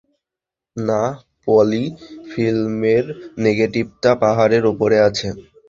না, পলি, ফিল্মের নেগেটিভটা পাহারের উপরে আছে।